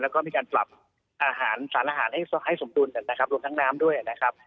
แล้วก็มีการปรับอาหารสารอาหารให้สมดุลกันนะครับรวมทั้งน้ำด้วยนะครับ